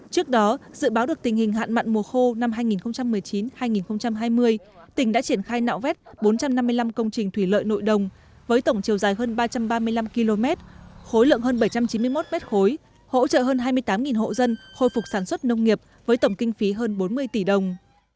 trước đó dự báo được tình hình hạn mặn mùa khô năm hai nghìn một mươi chín hai nghìn hai mươi tỉnh đã triển khai nạo vét bốn trăm năm mươi năm công trình thủy lợi nội đồng với tổng chiều dài hơn ba trăm ba mươi năm km khối lượng hơn bảy trăm chín mươi một m ba hỗ trợ hơn hai mươi tám hộ dân khôi phục sản xuất nông nghiệp với tổng kinh phí hơn bốn mươi tỷ đồng